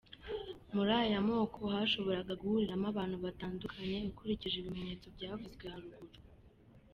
Muri aya moko hashoboraga guhuriramo abantu batandukanye, ukurikije ibimenyetso byavuzwe haruguru.